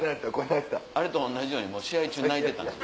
あれと同じようにもう試合中泣いてたんです。